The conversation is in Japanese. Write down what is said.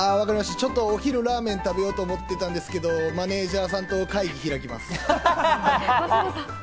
ちょっとお昼ラーメン食べようと思ってたんですけどマネージャーさんと会議を開きます。